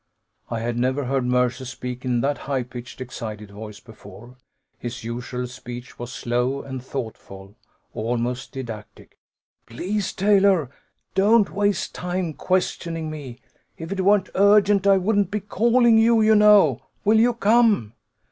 I had never heard Mercer speak in that high pitched, excited voice before; his usual speech was slow and thoughtful, almost didactic. "Please, Taylor, don't waste time questioning me. If it weren't urgent, I wouldn't be calling you, you know. Will you come?"